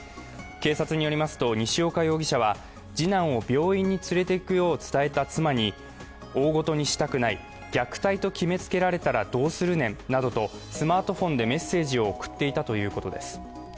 警察によりますと、西岡容疑者は次男を病院に連れていくよう伝えた妻に大ごとにしたくない、虐待と決めつけられたらどうするねんなどとスマートフォンでメッセージを送っていたということです。